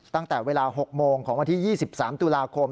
ตั้งแต่เวลา๖โมงของวันที่๒๓ตุลาคม